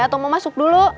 atau mau masuk dulu